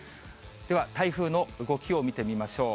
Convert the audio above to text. では台風の動きを見てみましょう。